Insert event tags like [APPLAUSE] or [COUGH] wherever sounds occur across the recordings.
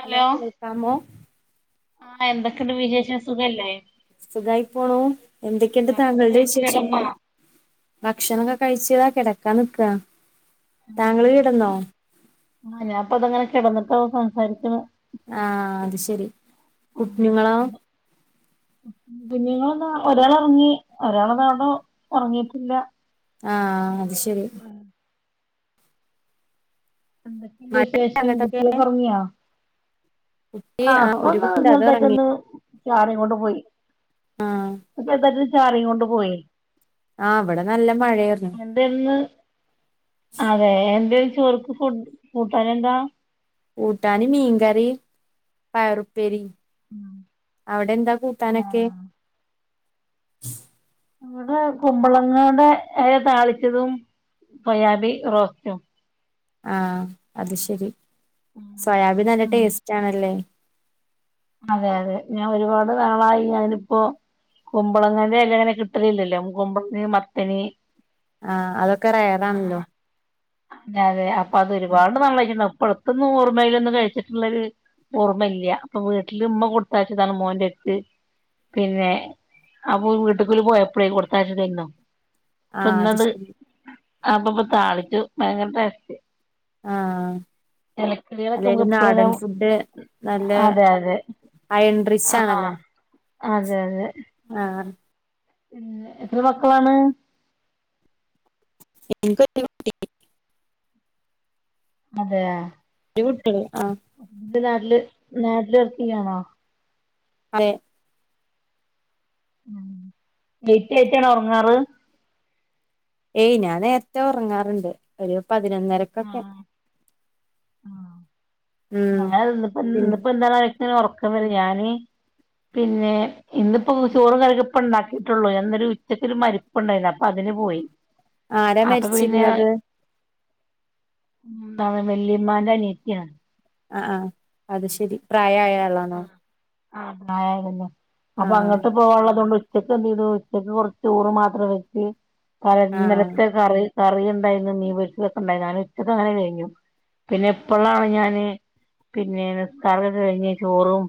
Hello കേൾക്കാമോ ആഹ് എന്തൊക്കെയണ്ട് വിശേഷം സുഖല്ലേ സുഖമായി പോണു എന്തൊക്കെയുണ്ട് ഭക്ഷണം താങ്കളുടെ കഴിച്ച് കിടന്നോ വിശേഷങ്ങൾ ഭക്ഷണം ഒക്കെ കഴിച്ചോ ഇതാ കിടക്കാ നിക്കാ താങ്കൾ കിടന്നോ ആ ഞാൻ ഇപ്പ അതങ്ങനെ കിടന്നിട്ട സംസാരിക്ക്ണ് ആഹ് അത് ശെരി കുഞ്ഞുങ്ങളോ കുഞ്ഞുങ്ങൾ ഒന്നും ഒരാൾ ഒറങ്ങി ഒരാളു ദാണ്ടെ ഒറങ്ങിട്ടില്ല ആഹ അത് ശരി. എന്തൊക്കെണ്ട് മഴ വിശേഷം. അങ്ങട്ടൊക്കെ കുട്ടിയള് ഒറങ്ങിയോ? ആ ഒരു പ്പൊന്ന് കുട്ടിണ്ട് അത് ഉറങ്ങി ചെറ്തായിട്ടൊന്ന് ചാറി കോണ്ട് പോയി. ആഹ്. [UNINTELLIGIBLE] ചാറി കോണ്ട് പോയി. ആഹ് വടെ നല്ല മഴാര്ന്നു. എന്തായിരുന്നുഅതെ എന്താ ചോർക്ക് കൂട്ടാനെന്താ ഊട്ടാന് മീൻ കറിം പയറുപ്പേരിം. അവിടെ എന്താ കൂട്ടാനൊക്കെ? ആഹ് ഇവടെ കുമ്പളങ്ങളുടെ ഇ ല താളിച്ചതും സൊ യാബി റോസ്റ്റും ആഹ്. അത് ശരി. സോയാബി നല്ല ഉം ടേസ്റ്റ് ആണല്ലേ. അതെ അതെ. ഞാൻ ഒരുപാട് നാളായി ഞാനിപ്പോ. കുമ്പളങ്ങാടെ എല ഇങ്ങനെ കിട്ടലില്ലല്ലോ കുമ്പളങ്ങ മത്തണി ആഹ് അതൊക്കെ റെയറാണല്ലോ [UNINTELLIGIBLE] അതെ അപ്പൊ അത് ഒരുപാട് നാ [UNINTELLIGIBLE] ഇപ്പഴത്തന്നും ഓർമ്മയിലൊന്നും കഴിച്ചിട്ടുള്ളൊരു ഓർമ്മല്ല്യ. അപ്പൊ വീട്ടില് മ്മ കൊടുത്തയച്ചതാണ് മോന്റെ എര്ത്ത്. പിന്നെ അപ്പൊ വീട്ടിക്കില് പോയ പ്പളെ കൊടുത്തയച്ചതായിരുന്നോ ആഹ് അത് പ്പന്നത് ശരി അപ്പൊപ്പൊ താളിച്ചു ഭയങ്കര ടാസ്റ്റ്. ആഹ് നമുക്ക് അല്ലെലും നാഡൻ എപ്പഴും ഫുഡ് നല്ല അതെ അതെ അയ്ൻ ട്രിച്ച് ആണല്ലോ. ആഹ് അതെ അതെ ആ പി ന്നെഎത്ര മക്കളാണ് [UNINTELLIGIBLE] അതെ ജ് വിട്ടിനൊ ആഹ് [UNINTELLIGIBLE] നാട്ടില് നാട്ടില് ർക്ക് ഇല്ലേന്നോ? അതെ ലെയ്റ്റായിറ്റാണോ ഒറങ്ങാറ് ഏയ് ഞാൻ നേരത്തെ ഒറങ്ങാറ്ണ്ട്. ഒരു പതിനൊന്നര ആഹ് ഞ ഉം [UNINTELLIGIBLE] ഇന്ന്പ്പോ പിന്നെ ഇന്ന്പ്പോ എന്ത [UNINTELLIGIBLE] ഒറക്കം വരും. ഞാന് പിന്നേ ഇന്നിപ്പോ ചോറും കറി യൊക്കെപ്പണ്ടാക്കിയിട്ടുള്ളൂ ഞാന്നൊരു ഉച്ചക്കൊരു മരിപ്പ്ണ്ടായിരുന്നു. അപ്പൊ അതിന് പോയി. ആരാ അപ്പൊ പിന്നെ മരിച്ചിര്ന്നത്? ന്താണ് വല്ലുമ്മാന്റെ അറിയത്തിയാണ് അ ആ അത് ശെരി. പ്രായായ ആളാണോ ആ ആ ഉണ്ടായിരുന്നു അപ്പൊ ആഹ് അങ്ങട്ട്പോവാനുള്ളത്കൊണ്ട് ഉച്ചക്ക് എന്ത് ചെയ്തു ഉച്ചക്ക് കുറച്ച്ച്ചോറ് മാത്രം വെച്ച് തലേ ആഹ് ഇന്നലത്തെ കറി കറിയുണ്ടായിരുന്നു. മീൻ പൊരിച്ചതൊക്കെണ്ടാ [UNINTELLIGIBLE] ഞാന് ഉച്ചക്ക് അങ്ങനെണ്ട് കഴിഞ്ഞു. പിന്നെ ഇപ്പളാണ് ഞാന് പിന്നേ നിസ്കാരൊക്കെ കഴിഞ്ഞ് ചോറും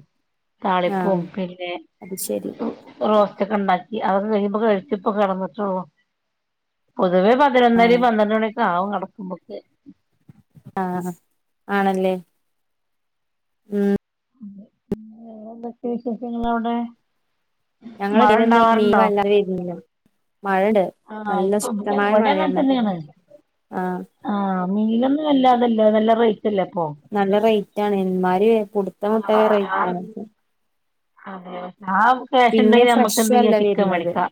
താളിപ്പും ആഹ് പിന്നേ അത് ശെരി റോസ്റ്റ് ഒക്കെ ണ്ടാക്കി അതക്ക കഴിയുമ്പോ കഴിച്ചിപ്പ കെടന്നിട്ടൊള്ളൂ. പൊതുവെ ആഹ് പതിനൊന്നരിം പന്ത്രണ്ട് അണി ഒക്കെ ആകും കടക്കുമ്പൊക്കെ. ആ ഹ. ആണല്ലേ ഉം. [UNINTELLIGIBLE] റെന്തക്കെ വിശേഷങ്ങള് അവ്ടെ. ഞങ്ങള് ഇന്നലെ ഒന്നുംമീൻ വരണവരെ ഇരുന്നില്ല മഴണ്ട് ആഹ് നല്ല ഇപ്പൊ ശക്തമായ ഇവിടെ അങ്ങനെ മഴയാണ് തന്നെയാണ് ആ ആഹ് മീനൊന്നും വല്ലാതല്ല നല്ല റേറ്റ്ല്ലേ അപ്പൊ നല്ല റേറ്റാണ് എന്മാര് കൊടുത്ത മുട്ട ആഹ് ഞാൻ റേറ്റാണ് അതെ ആ ക്യാഷ് പിന്നെ ഉണ്ടെങ്കിൽ നമുക്ക് എന്ത് ഫ്രഷുംഅ ചെയ്യാ ല്ല ചിക്കൻ വരുന്നത് മേടിക്കാം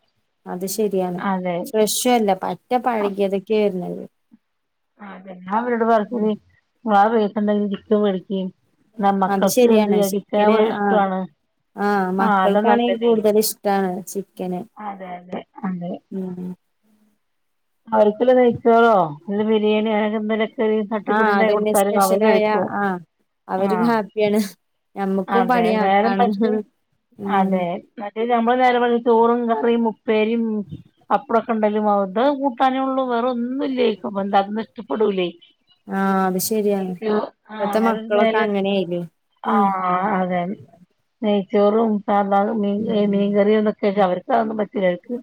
അത് ശരിയാണ് അതെ ഫ്രഷുഅല്ല റ്റ പഴകിതൊക്കെ വരുന്നത്. [UNINTELLIGIBLE] അത് നമ്മക്കൊക്കെ എന്ത് എരിക്കാവോയെ ഇഷ്ടവാണ് ആ മക്കൾക്കാണെകൂടുതൽ ഇഷ്ടാണ് ചിക്കന്. അതെയതെ അതെ ഉം അവർക്കില്ല നെയ്ച്ചോറോ നല്ല ബിരിയേണിയൊ അങ്ങനെ എന്തെല ആ അതന്നെ സ്പെഷ്യലായ ആ അവരും ആഹ് ഹാപ്പിയാണ് ഞമ്മക്കും അതെ നേരം പണിയാക്കാണ് വെള്ത്ത് അതെ മറ്റേ ഞമ്മള് നേരം വെള്ത്ത് ചോറും, കറിം, ഉപ്പേരിം പപ്പടൊക്കെണ്ടായാലും അത കൂട്ടാനേ ഉള്ളൂ വേറെ ഒന്നുംല്ലേക്കും അപ്പൊ എന്താ അതൊന്നും ഇഷ്ടപ്പെടൂലേ ആ അത് ശെരിയാണ് ഇപ്പത്തെ മക്കളൊക്കെ അങ്ങനെയ്നു ഉം ആ അതെ നെയ്ച്ചോറും സാബാറും മീൻ മീൻകറിയും ന്നൊക്കെച്ച അവര് ഇച്ചതൊന്നും പറ്റുല ഇച്ച്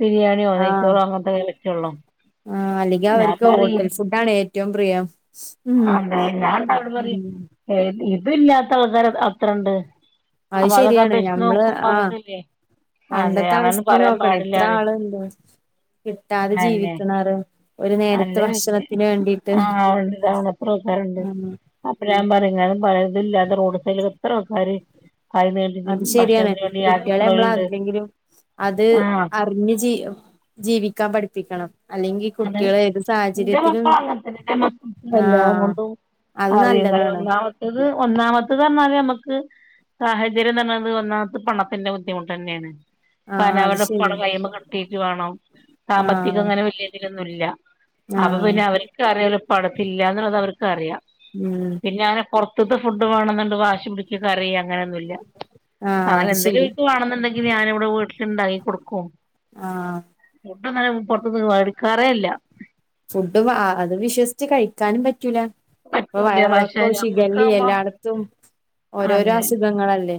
ബിരിയാണിയോ, നെയ്‌ച്ചോറോ അങ്ങനത്തൊക്കെ പറ്റൊള്ളൊ ആ അല്ലെങ്കിൽ അവർക്ക് ഹോട്ടൽ ഫുഡാണ് ഏറ്റവും പ്രിയം മ്മ് ഏഹ് ഇത് ഇത് ഇല്ലാത്ത ആൾക്കാര് അത്രണ്ട് അയ് അപ്പൊ അതൊക്കെ ശരിയാണ് അപേക്ഷിച്ച് ഞമ്മള് നോക്കുമ്പോ ആ നമുക്കില്ലേ അതെ പണ്ടത്തെ അങ്ങനൊന്നും അവസ്ഥിം പറയാൻ നോക്കണെ എത്ര പാടില്ലാറിയും ആൾണ്ട് കിട്ടാതെ അയെന്നെ ജീവിക്ക്ണാര് ഒരു അല്ല നേരത്തെ പിന്നെ ഭക്ഷണത്തിന് വേണ്ടീട്ട് ആഹ് ഉണ്ട് ഇതാണ് എത്ര ആൾക്കാരുണ്ട് ആ അപ്പൊ ഞാൻ പറയുംങ്ങാനും [UNINTELLIGIBLE] ഇതില്ലാത്ത റോഡ് സൈഡില് എത്രആൾക്കാര് അത് ശരിയാണ് കുട്യളെ മ്മള യാചിക്കണോലുണ്ട് ആർകെങ്കിലും അത് ആഹ് അ കൊറഞ്ഞ ജീ ജീവിക്കാൻ പഠിപ്പിക്കണം അല്ലെങ്കി അതെ കുട്ടികളെ ഏത് ന്റെ സാഹചര്യത്തിലും മക്കള് അങ്ങ തന്നെ [UNINTELLIGIBLE] ആഹ് എല്ലാംകൊണ്ടും അത് അറിയ്‌ല ഇ നല്ലതാണ് ഒന്നാമത്തത് ഒന്നാമത്തത് പറഞ്ഞാല് ഞമ്മക്ക് സാഹചര്യന്ന് പറഞ്ഞത് ഒന്നാമത്തെ പണത്തിന്റെ ബുദ്ധിമുട്ടന്നേണ് കാൻ ആഹ് [UNINTELLIGIBLE] അത് അവരുടെ ശരി ഉപ്പടെകയ്യീന്ന് കിട്ടീട്ടു വേണം സാമ്പത്തികം ആഹ് ങ്ങനെ വല്യ അങ്ങിനെന്നുല്യാ അപ്പൊ ആഹ് പിന്നെ അവർക്ക് അറിയല്ലേ ഉപ്പാടടുത്തുഇല്ലാന്നുള്ളത് അവർക്ക് അറിയാം. ഉം പിന്നെഅങ്ങനെ പുറതൂത്തെ ഫുഡ് വേണെന്നണ്ട് വാശി പിടി ച്ചു കരയേ അങ്ങനെയൊന്നുംല്ല. ആഹ് അത് എന്തെങ്കിലും ശരി ഒൽ ക്കുവേണമെങ്കിൽ ഞാൻ ഇവിടെ വീട്ടിൽ ഇണ്ടാക്കി കൊടുക്കും. ആ ഫുഡോന്നും പുറത്തൂന്നു വേടിക്കാറേയില്ല.. ഫുഡ് അത് വിശ്വസിച്ച് കഴിക്കാനും പറ്റൂല ഇപ്പൊ പറ്റൂല പക്ഷെ വയറിളക്കോ ഷിഗ ല്ലിയോ ഞമ്മക്കാവുമ്പോ എല്ലായി - ത്തും ഓരോരോ അസുഖങ്ങളല്ലേ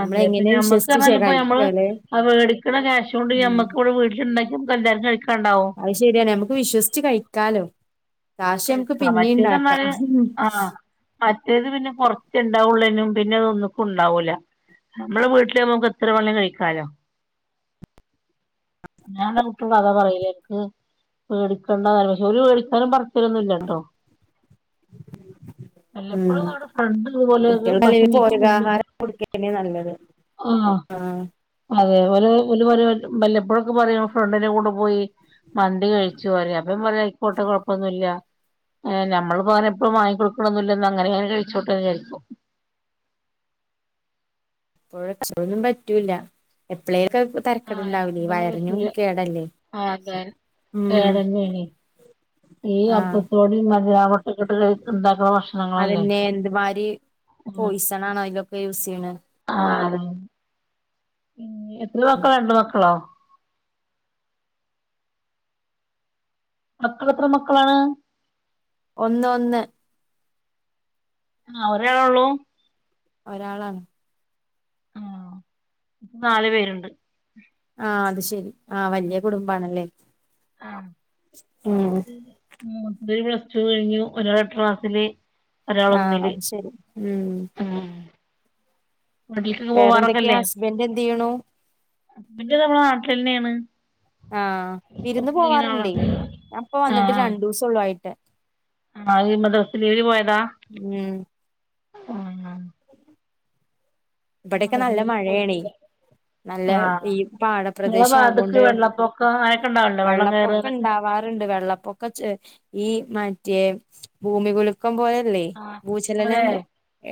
നമ്മള് എങ്ങനെ അതെപിന്നെ അമ്മക്ക് വിശ്വസിച്ച് പറഞ്ഞ ഇപ്പ ഞമ്മള് കഴിക്കല്ലേ ആ വേടിക്ക്ണ ക്യാഷോണ്ട് ഉം ഞമ്മക് ഇവ്ടെ വീട്ടിലിണ്ടാ ഫുഡ്‌ [UNINTELLIGIBLE] ല്ലാർക്കും കഴിക്കാണ്ടാവും അത് ശെരിയാണ് ഞമക്ക് വിശ്വസിച്ച് കഴിക്കാലോ കാശ് ഞമക്ക് കഴിക്കാം പിന്നിം മറ്റേത് ഇണ്ടാക്കാ പറഞ്ഞാല് ആഹ് മറ്റേത് പിന്നെ കൊറചേണ്ടാവുള്ളേനും പിന്നെ അത് ഒന്ന്ക്കും ഉണ്ടാവൂല നമ്മളെ വീട്ടില് നമ്മക്ക് എത്ര വേണേ കഴിക്കാലോ! ഞാൻ ഇന്റെ കുട്ടിയാളോട് അതാ പറയല് [UNINTELLIGIBLE] വേടിക്കണ്ട പക്ഷേ ഓര് വേടിക്കാനും പറച്ചിലൊന്നുല്ലട്ടോ ഉം വല്ലപ്പോഴും അവടെ ഫ്രണ്ട് ഇതുപോലെ കുട്ടിയാൾക് ഭക്ഷണം അല്ലെങ്കിലും കഴിക്കാൻ പോകുമ്പോ പോഷകാഹാരം കൊട്ക്കന്നേ നല്ലത് ആഹ് ആ അതെ ഓര് ഓര് വല്ലപ്പോഴൊക്കെ പറയും ഫ്രണ്ടിന്റെ കൂടെ പോയി. മന്തി കഴിച്ചു പറയും അപ്പംഞാ പറയും അയിക്കോട്ടെ കൊഴപ്പൊന്നുല്ല ഞമ്മൾ എപ്പോളും അങ്ങനെ വാങ്ങി ങ്ങിക്കടുക്കൊന്നുല്ലന്ന് അങ്ങനെ ഇ ങ്ങനെ ചോദിച്ചോട്ടെ വിചാരിക്കും. [UNINTELLIGIBLE] പറ്റൂല്ല എപ്പളേലൊക്ക തരക്കെട് ആഹ് ഉണ്ടാവിലേ എപ്പഴൊന്നും വയറിനും പറ്റൂല കേടല്ലേ ആഹ് അതെ ഉം കേടന്നേണ് ഈ ആഹ് അപ്പസോടിം അജ്നമോ [UNINTELLIGIBLE] ഇണ്ടാക്കുന്ന ഭക്ഷണങ്ങളല്ലേ [UNINTELLIGIBLE] ഇതൊക്കെ യൂസ് ചെയ്യ്ണെ ആതൻ ഏഹ് എത്രെ മക്കളാ രണ്ട് മക്കളോ മക്കളെത്ര മക്കളാണ് ഒന്ന് ഒന്ന് ആഹ് ഒരാളെ ഒള്ളൂ ഒരാളാണ് ആഹ് നാല് പേര്ണ്ട് ആഹ് അത്ശരി ആഹ് വല്യ കുടുംബാണല്ലേ ആഹ് ഉം മൂത്തത് പ്ലസ് ടു കയ്ഞ്ഞു ഒരാള് ട്രാസ്സ്ല് ആഹ് അത് ശരി ഉം ഉം വീട്ടില്ക്കെക്കെ വേറെന്തൊക്കെയാ പോവാറൊക്കെല്ലേ ഹസ്ബൻഡ് എന്ത് ചെയ്യണു ഹസ്ബന്റ്ന്നർഞ്ഞാ നാട്ട്ലെന്നേണ് ആഹ് വിര്ന്ന് ആളാ പോവാറ്ണ്ടേ ഞാപ്പം വന്ന്ട്ട് ആഹ് രണ്ടൂസൊള്ളു ആയിട്ട് ആഹ് മഡ്രസ്സ്ലീവില് പോയതാ ഉം ആ ഇബടെക്കെ മദ്രസ നല്ല ലീവിന് മഴെയേണേ പോയിട്ടില്ല നല്ല ആഹ് ഈ നിങ്ങളെ പാടപ്രദേശ ഭാഗത്ത്ക്ക് ആകൊണ്ട് വെള്ളപ്പൊക്കം അങ്ങനൊക്കെ ഉണ്ടാവല്ലോ വെള്ളം വള്ളപ്പൊക് ഇപ്പം കയറാനൊക്കെ ഇണ്ടാവാറുണ്ട് വെള്ളപ്പൊ കച്ച് ഈ മറ്റേ ഭൂമികുലുക്കം പോലെല്ലേ ആഹ് ഭൂചലനം അതെ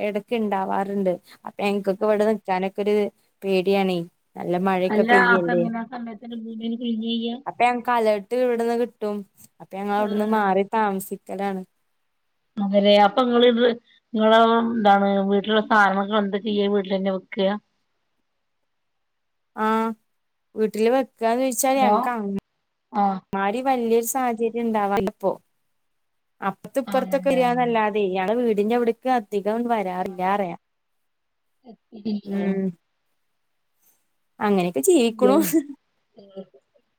എടെക്ക് ഇണ്ടാവാറ്ണ്ട് അപ്പം ഞൻക്കൊക്കെ വ്ടെ നിക്കാനൊക്കൊര് പേട്യാണേ നല്ല മഴയൊക്കെ അല്ല അപ്പൊ പെയ്യെല്ലേ എങ്ങനെ ആ സമയത്ത് ഭൂമിയില് കുലുങ്ങാ ചെയ്യാ അപ്പം ഞങ്ങക്ക് അലേട്ട് ഇവിട്ന്ന് കിട്ടും അപ്പ ഞങ്ങളവ്ട്ന്ന് ആഹ് മാറി താമസിക്കലാണ് മൊകെരെ അപ്പം ഇങ്ങളിത് ഇങ്ങളെ ന്താണ് വീട്ട്ല്ള്ളെ സാനങ്ങളൊക്കെ ങ്ങളെന്താ ചെയ്യാ വീട്ടിലെന്നെ വെക്കാ ആഹ് വീട്ട്ല് വെക്കാന്നാേയ്ച്ചാല് ഹലോ ഞങ്ങ്ക്ക് അങ്ങ് ആഹ് മ്മാരി വല്യാെരു സാഹചര്യം ണ്ടാവാറ്ല്ലപ്പോ അപ്പർത്തു പ്പർത്തൊക്കെ അങ്ങനെയാ വെരാന്നല്ലാ തെ ഇയാളെ വീട്ന്റെ അവിട്ക്ക് അധികങ്ങട്ട് വരാറില്ലാറിയാ ഉം അങ്ങെനെക്കെ ജീവിക്ക്ണു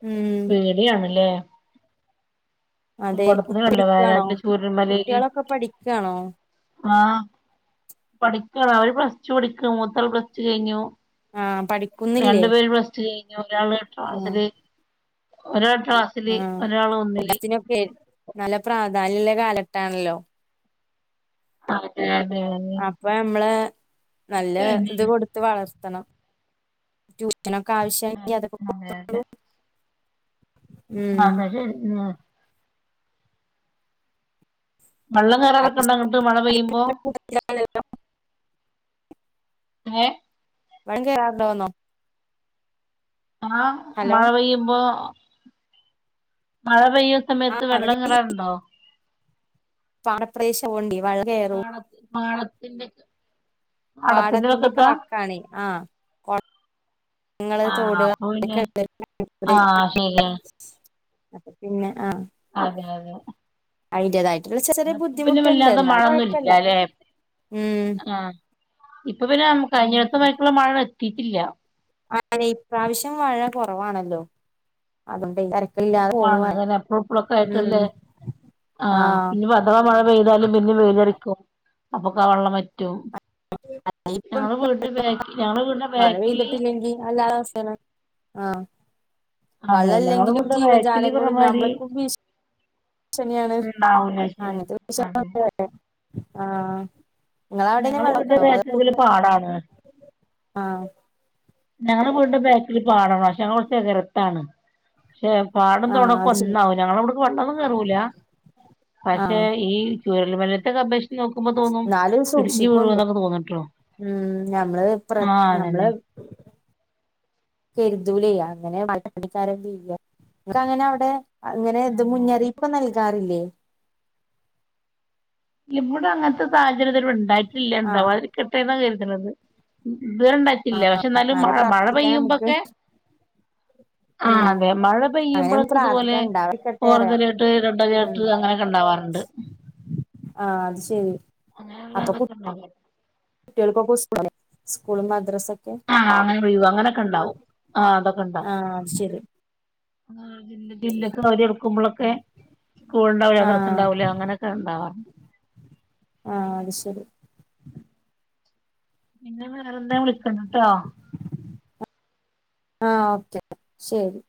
ഉം യാണ്ലേ അതെ കണ്ടില്ലേ പഠിക്കാണോ വയനാട്ടിലെ ചൂരൽമലയില് കുട്ട്യാളൊക്കെ പഠിക്കാണോ? ആഹ് പഠിക്കാണ് അവര് പ്ലെസ്റ്റു പഠിക്കാ മൂത്താള് പ്ലെസ്റ്റു കയ്ഞ്ഞു ആഹ് പഠിക്കുന്നില്ലേ രണ്ട് പേര് പ്ലസ്റ്റു കയിഞ്ഞു ഒരാള് ആഹ് ഡ്രാസ്ല് ഒരാൾ ട്രാ സില് ഒരാള് ഒന്നില് നൊക്കെ നല്ല പ്രാധാന്യള്ള കാലത്താൺല്ലോ അതെ അതെ അതെ അപ്പ ഞമ്മള് നല്ല ഒക്കെ ത് തന്നെയാണ് കൊട്ത്ത് വളർത്തണം ട്യൂഷനൊക്കെ ആവശ്യനെങ്കി ആഹ് അതൊക്കെ അതെ കൊട്ത്തോളൂ അതായത് ഞാ വള്ളം കേറാറൊക്കെൻണ്ടോ അങ്ങട്ട് മഴ പെയ്യുമ്പോ കൂട്ടത്ത്ലാ ഏഹ് വെള്ളം കേറാറ്ണ്ടോന്നോ ആഹ് ഹലോ മഴ പെയ്യുമ്പോ മഴ പെയ്യ് സമയത്ത് ആഹ് വെള്ളം അവിടെ കേറാറ്ണ്ടോ പാടപ്രദേശാവോണ്ടെ വള്ള എ പാടം പാടത്തിന്റെക്കെ പാടത്തിന്റെക്കെ വക്കാണെ ആഹ് കൊ ങ്ങള് ആഹ് തോട് അപ്പൊ പിന്നെ ആഹ് ശരിയാണ് [UNINTELLIGIBLE] അപ്പ പിന്നെ ആഹ് അതെ അതെ അയിന്റേതായിട്ട്ള്ള ചെ ഇന്നിപ്പൊഞ്ഞീ വല്ലാതെ മഴന്നുല്ല ലെ ഉം ആ ഇപ്പൊ പിന്നെ കഴിഞ്ഞമാതിരി യിക്കുള്ള മഴ എത്തിയിട്ടില്ല ആണ് ഇപ്രാവശ്യം മഴ കൊറവാണ്ല്ലൊ അതോണ്ടെയ്ക്കാരം കുറവാണ് അങ്ങനെ എപ്പളും ഇ പ്പളുക്കെ ആയിട്ട്ല്ലേ ആ ആഹ് പിന്നെ എത്ര മഴ പെയ്താലും പിന്നെ വെയിലടിക്കും അപ്പൊക്കെ വെള്ളം വറ്റും [UNINTELLIGIBLE] ഇപ്പ ഞങ്ങള് ഇപ്പ വീടിന്റെ ബാക്കി ഞങ്ങള് വീടിന്റെ മഴ ബാക്കില് പെയ്തിട്ടില്ലെങ്കി നല്ല അവസ്ഥാണ് ആ അതെ ഞങ്ങളെ വെള്ളല്ലെങ്കിലും ഇവടെ ബേക്കില് ജീവജാലങ്ങളും പറഞ്ഞമാതിരി നമ്മൾക്കും ഭീഷ് ണിയാണ് ഉണ്ടാവൂല ശരി ആണ് അതെ [UNINTELLIGIBLE] ആ ങ്ങളാടെ അവിടെ ഞങ്ങളെ വെള്ള വീടിന്റെ ക്കെണ്ടോ അതൊ ബേക്കില് വല്യ പാടാണ് [UNINTELLIGIBLE] ആ ഞങ്ങളെ വീടിന്റെ ബാക്കില് പാടാ ണ് പക്ഷെ ഞങ്ങള് കൊർച് എ കരത്താണ് പക്ഷെ പാടും ആഹ് തോടൊക്കെ അത് ശരി ഒന്നാവും ഞങ്ങളെ വ്ട്ക്ക്‌ വെള്ളൊന്നും കേറൂല പക്ഷെ ആഹ് ഈ ചൂരൽ മലേത്തെക്കെ പേക്ഷി നോക്കുമ്പോ തോന്നും എന്നാലും ഇടിഞ്ഞു വീ സൂക്ഷിക്കൊണ്ടു യോന്നൊക്കെ തോന്നുട്ടോ ഉം ഞമ്മള് പ്ര ആ അതന്നെ കെര്തൂലെ അങ്ങനെ [UNINTELLIGIBLE] പ്പണിക്കാര ചെയ്യ ങ്ങക്ക് അങ്ങനെ അവിടെ അങ്ങനെ ത് അതെ അതെ മുന്നറിയിപ്പ് നൽകാറില്ലേ ഇവ്ടെ അങ്ങനത്തെ സാഹചര്യം ത് വരെ വിടെ ണ്ടായിട്ടില്ല ഇ ആഹ് ണ്ടാവാതിരിക്കട്ടെന്നാ കര്ത്ണത് ഇത് വരെ ണ്ടായിട്ടില്ല പക്ഷെ ന്നാലും അങ്ങനെ മഴ മഴ പ്രാർത്ഥിക്കാം നമുക്ക് പെയ്യുമ്പോക്കെ ആ ഉം അതെ മഴ അങ്ങനെ നമുക്ക് പെയ്യുമ്പളൊക്ക ഇതുപോലെ പ്രാർത്ഥിക്കാം ഇണ്ടാവാതിരിക്കട്ടെ പറയാ ഓറഞ്ചലേട്ട് റെണ്ടലേട്ട് അങ്ങനെക്കെണ്ടാവാറുണ്ട് ആ അത് ശരി അങ്ങനെള്ളതൊക്കെണ്ടവണ്ട് കുട്ടിൾക്കൊക്കെ സ്കൂളാലെ സ്കൂൾ മദ്രസ ആഹ് അങ്ങനെ ഒഴിവ് അങ്ങനെക്കെ ണ്ടാവും ആഹ് അതൊക്കെ ണ്ടാവും ആഹ് അത് ശരി ആ ജില്ലക്ക്‌ അവധി കൊടുക്കുമ്പളൊ ക്കെ സ്കൂൾ ണ്ടാവുല മദ്റസ ആഹ് ണ്ടാവൂല അങ്ങനെെ ആ കണ്ടാ ആ അത് ശരി പിന്നെ വേറെന്താ വിളിക്ക‌ണ്ട്ട്ടോ ആ ഓക്കെ ശരി